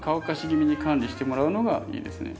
気味に管理してもらうのがいいですね。